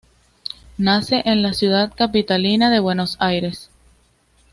Nace en la ciudad capitalina de Buenos Aires.